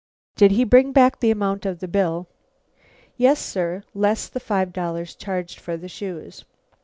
"Did he bring back the amount of the bill?" "Yes, sir; less the five dollars charged for the shoes."